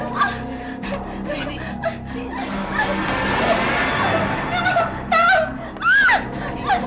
mas aku mau mandas